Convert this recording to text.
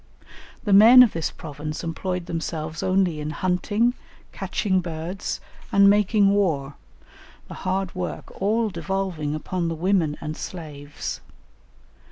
The men of this province employed themselves only in hunting, catching birds, and making war, the hard work all devolving upon the women and slaves.